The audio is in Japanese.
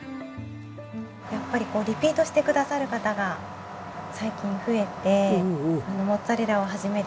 やっぱりリピートしてくださる方が最近増えてモッツァレラをはじめですね